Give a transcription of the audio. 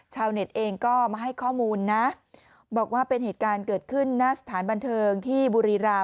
ชาวเน็ตเองก็มาให้ข้อมูลนะบอกว่าเป็นเหตุการณ์เกิดขึ้นหน้าสถานบันเทิงที่บุรีราม